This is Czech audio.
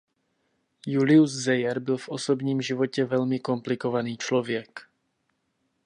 Julius Zeyer byl v osobním životě velmi komplikovaný člověk.